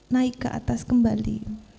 naik ke atas kembali